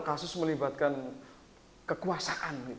kasus melibatkan kekuasaan